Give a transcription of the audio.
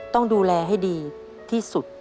ต้องดูแลให้ดีที่สุด